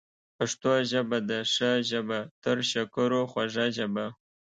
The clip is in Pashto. پښتو ژبه ده ښه ژبه، تر شکرو خوږه ژبه